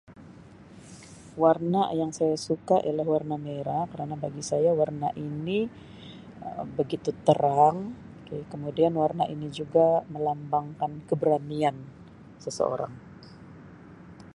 Warna yang saya suka ialah warna merah kerana bagi saya warna ini Um begitu terang kemudian warna ini juga melambangkan keberanian seseorang.